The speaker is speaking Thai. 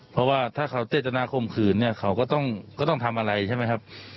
เพราะว่าถ้าเขาเจตนาคมขืนเนี่ยเขาก็ต้องทำอะไรใช่ไหมครับ